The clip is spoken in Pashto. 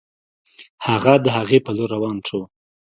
هغه د هغې په لور روان شو